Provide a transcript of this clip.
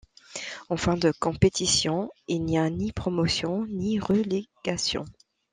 En fin de compétition, il n'y a ni promotion, ni relégation.